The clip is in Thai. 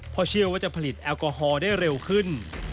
เพราะเชื่อว่าจะผลิตแอลกอฮอล์ได้เร็วขึ้น